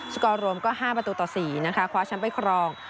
สกอรมก็๕ประตูต่อ๔นะคะคว้าช้ำไปครอง